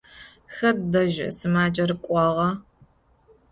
Xet dej sımacer k'uağa?